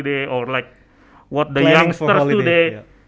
atau seperti yang dikatakan para muda hari ini